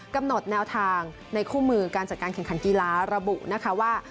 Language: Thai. กำหนดแนวทางในคู่มือการจัดการแข่งขันกีฬาระบุนะคะว่า